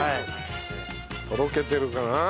とろけてるかな？